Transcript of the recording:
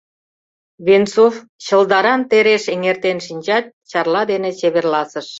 Венцов чылдаран тереш эҥертен шинчат, Чарла дене чеверласыш.